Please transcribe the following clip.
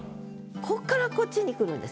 こっからこっちにくるんです。